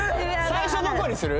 最初どこにする？